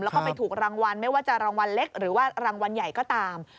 แล้วก็ไปถูกรางวัลไม่ว่าจะรางวัลเล็กหรือว่ารางวัลใหญ่ก็ตาม